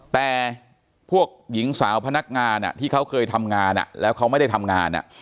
แต่พวกหญิงสาวพนักงานที่เขาเคยทำงานแล้วเขาไม่ได้ทำงาน